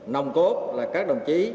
nồng cốt là các đồng chí